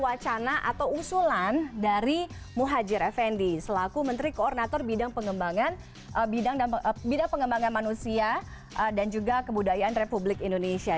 wacana atau usulan dari muhajir effendi selaku menteri koordinator bidang pengembangan bidang pengembangan manusia dan juga kebudayaan republik indonesia